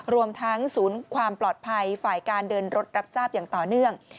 รวมทั้งศูนย์ความปลอดภัยฝ่ายการเดินรถรับทราบอย่างต่อเนื่อง